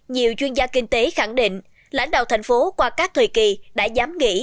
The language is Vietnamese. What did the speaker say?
nhiều chuyên gia kinh tế khẳng định lãnh đạo thành phố qua các thời kỳ đã dám nghĩ